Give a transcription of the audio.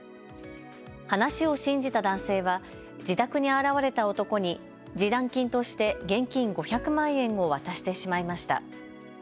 話を信じた男性は自宅に現れた男に示談金として現金５００万円を渡してしまいました。